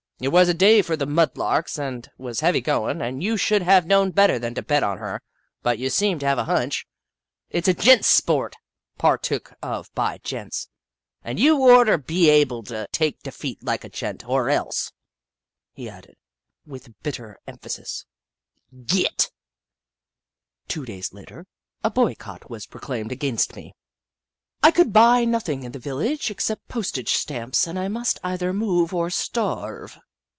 It was a day for the mud larks and was heavy goin', and you should have known better than to bet on her, but you seemed to have a hunch. It 's a gent's sport, partook of by gents, and you 'd orter be able to take defeat like a gent, or else," he added, with bitter emphasis, " git !" Jagg, the Skootaway Goat 43 Two days later, a boycott was proclaimed against me. I could buy nothing in the village except postage stamps, and I must either move or starve.